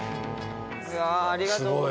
ありがとうございます。